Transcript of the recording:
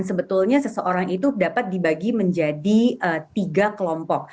sebetulnya seseorang itu dapat dibagi menjadi tiga kelompok